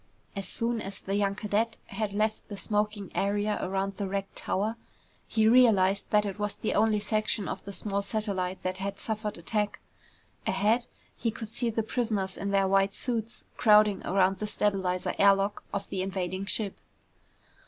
As soon as the young cadet had left the smoking area around the wrecked tower, he realized that it was the only section of the small satellite that had suffered attack. Ahead, he could see the prisoners in their white suits crowding around the stabilizer air lock of the invading ship.